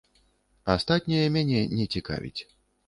Астатняе мяне не цікавіць.